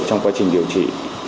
trong quá trình điều trị